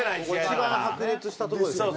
一番白熱したとこですよね。